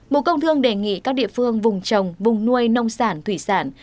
bộ công thương đề nghị các địa phương vùng trồng vùng nuôi nông sản thủy sản